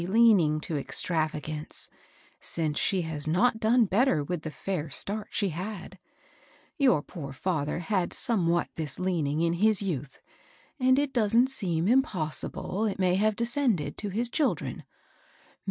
247 leauing to extravagaace, sinoe she has not done better with the &ir start she had* Your poor &ther had somewhat this leaning in his youth, and it doesn't seem impossible it may have descended to his children."